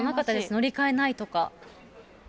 乗り換えないとか。